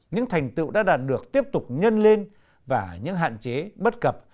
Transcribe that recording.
những thành tựu đã đạt được tiếp tục nhân lên và những hạn chế bất cập